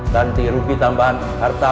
ganti rupiah tambahan harta